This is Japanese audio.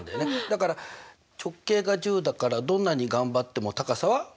だから直径が１０だからどんなに頑張っても高さは？